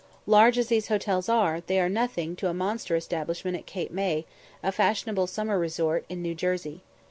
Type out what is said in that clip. Large as these hotels are, they are nothing to a monster establishment at Cape May, a fashionable summer resort in New Jersey.